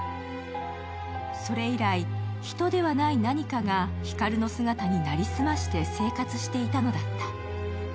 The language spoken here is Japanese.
それ以来、ヒトではないナニカが光の姿に成り済まして生活していたのだった。